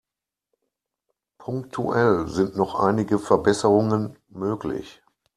Punktuell sind noch einige Verbesserungen möglich.